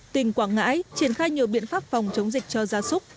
tỉnh quảng ngãi triển khai nhiều biện pháp phòng chống dịch cho gia súc